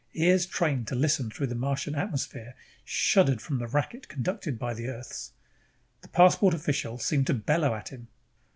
Ears trained to listen through the Martian atmosphere shuddered from the racket conducted by Earth's. The passport official seemed to bellow at him.